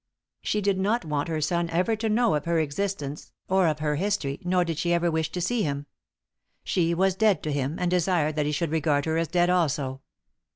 She did not want her son ever to know of her existence, or of her history, nor did she wish ever to see him. She was dead to him, and desired that he should regard her as dead also."